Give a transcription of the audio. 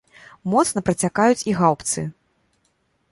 Моцна працякаюць і гаўбцы.